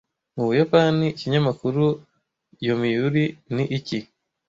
Mu Buyapani Ikinyamakuru Yomiyuri ni iki